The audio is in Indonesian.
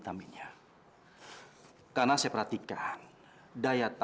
tapi kayak ada orang yang mau sakit